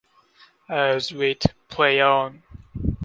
As with Play On!